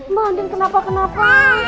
mbak andin kenapa kenapa